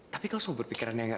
tapi kamu semua berpikirannya